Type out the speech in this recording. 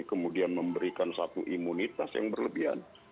kemudian memberikan satu imunitas yang berlebihan